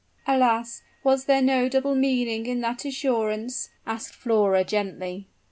"Alas! Was there no double meaning in that assurance?" asked Flora, gently.